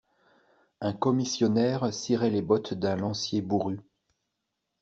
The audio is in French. Un commissionnaire cirait les bottes d'un lancier bourru.